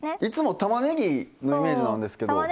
いつもたまねぎのイメージなんですけど。